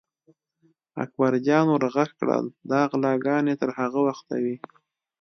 اکبر جان ور غږ کړل: دا غلاګانې تر هغه وخته وي.